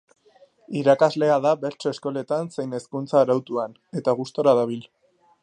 Irakaslea da bertso eskoletan zein hezkuntza arautuan eta gustura dabil.